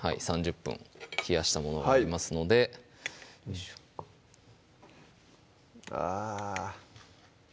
３０分冷やしたものがありますのでよいしょあぁ